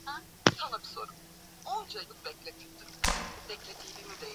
semaji wa tume hiyo amendu atafaji tajo